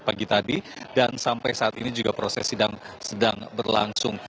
pagi tadi dan sampai saat ini juga proses sidang sedang berlangsung